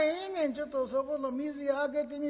ちょっとそこの水屋開けてみい。